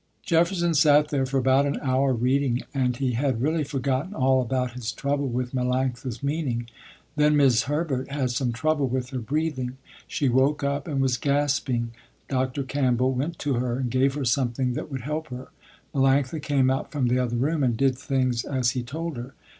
Jefferson sat there for about an hour reading, and he had really forgotten all about his trouble with Melanctha's meaning. Then 'Mis' Herbert had some trouble with her breathing. She woke up and was gasping. Dr. Campbell went to her and gave her something that would help her. Melanctha came out from the other room and did things as he told her.